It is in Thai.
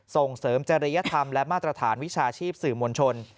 ส่งเสริมจริยธรรมและมาตรฐานวิชาชีพสื่อมวลชน